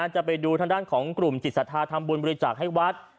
จะไปดูทางด้านของกลุ่มจิตศรัทธาทำบุญบริจาคให้วัด